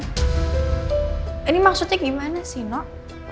kasus reina ini maksudnya gimana sih noh